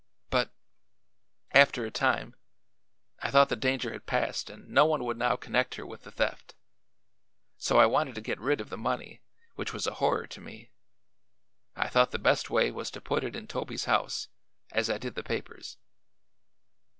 But after a time I thought the danger had passed and no one would now connect her with the theft; so I wanted to get rid of the money, which was a horror to me. I thought the best way was to put it in Toby's house, as I did the papers."